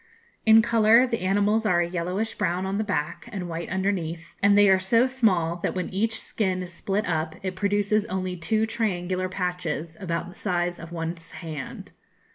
In colour, the animals are a yellowish brown on the back, and white underneath, and they are so small that when each skin is split up it produces only two triangular patches, about the size of one's hand.